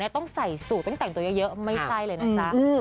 ต้องใส่สูตรต้องแต่งตัวเยอะไม่ใช่เลยนะจ๊ะ